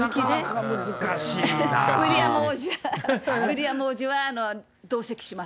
ウィリアム王子は同席します。